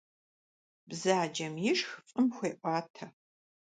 Бзаджэм ишх фӀым хуеӀуатэ.